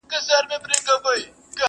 له کلونو ناپوهی یې زړه اره سو،